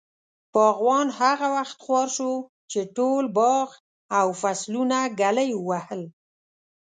باغوان هغه وخت خوار شو، چې ټول باغ او فصلونه ږلۍ ووهل.